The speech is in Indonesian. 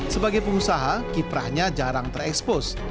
sebagai pengusaha kiprahnya jarang terekspos